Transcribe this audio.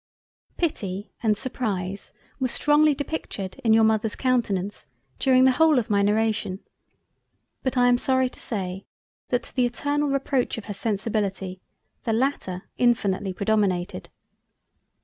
Pity and surprise were strongly depictured in your Mother's countenance, during the whole of my narration, but I am sorry to say, that to the eternal reproach of her sensibility, the latter infinitely predominated.